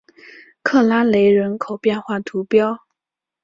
克拉雷人口变化图示